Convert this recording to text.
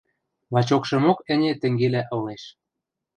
Лачокшымок ӹне тӹнгелӓ ылеш.